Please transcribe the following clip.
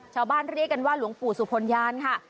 ชาวบ้านเรียกกันว่าหลวงปู่สุพลญานค่ะ